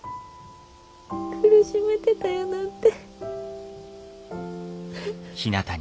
苦しめてたやなんて。